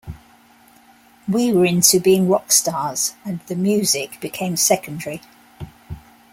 We were into being rock stars and the music became secondary.